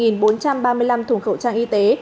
trợ bốn trợ một bốn trăm ba mươi năm thùng khẩu trang y tế